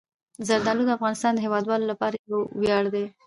زردالو د افغانستان د هیوادوالو لپاره یو ویاړ دی.